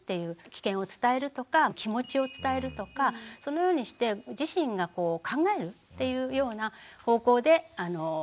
危険を伝えるとか気持ちを伝えるとかそのようにして自身が考えるっていうような方向で関わっていくのがいいと思うんですね。